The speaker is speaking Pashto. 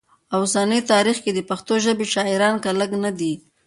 او اوسني تاریخ کي د پښتو ژبې شاعران که لږ نه دي